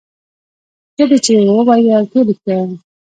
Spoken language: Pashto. څه دې چې وويل ټول رښتيا وو.